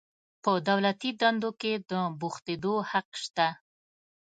په دولتي دندو کې د بوختیدو حق شته.